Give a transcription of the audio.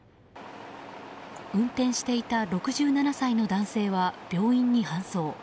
運転していた６７歳の男性は病院に搬送。